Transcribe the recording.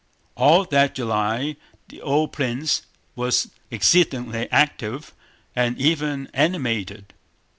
All that July the old prince was exceedingly active and even animated.